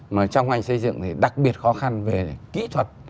mà trong ngành xây dựng thì đặc biệt khó khăn về kỹ thuật